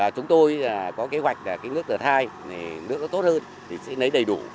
chúng tôi có kế hoạch nước tờ thai nước tốt hơn sẽ lấy đầy đủ